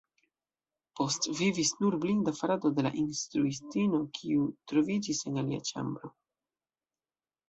Postvivis nur blinda frato de la instruistino, kiu troviĝis en alia ĉambro.